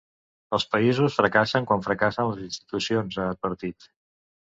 Els països fracassen quan fracassen les institucions, ha advertit.